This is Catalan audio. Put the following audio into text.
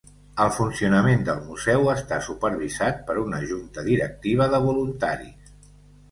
El funcionament del museu està supervisat per una junta directiva de voluntaris.